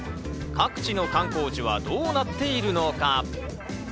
各地の観光地はどうなっているのか。